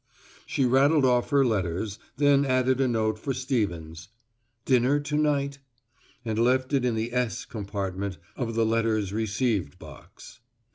She rattled off her letters, then added a note for Stevens, "Dinner to night?" and left it in the S compartment of the Letters Received box.